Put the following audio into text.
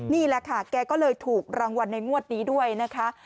นี่แหละค่ะแกก็เลยถูกรางวัลในงวดนี้ด้วยนะคะ